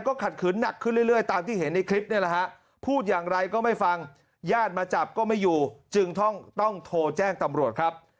ก็ขัดขืนนักขึ้นเรื่อยตามที่เห็นในคลิปเนี่ยแล้วค่ะ